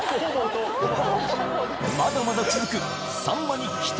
まだまだ続く